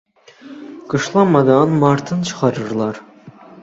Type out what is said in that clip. Qışlamadan martın çıxırlar.